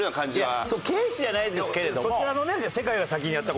いや軽視じゃないですけれども。